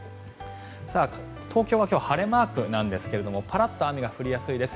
東京は今日晴れマークなんですがパラッと雨が降りやすいです。